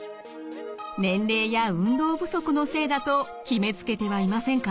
年齢や運動不足のせいだと決めつけてはいませんか？